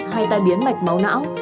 hay tai biến mạch máu não